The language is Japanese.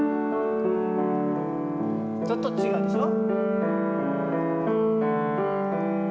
ちょっと違うでしょ。